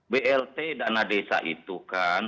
blt dana desa itu kan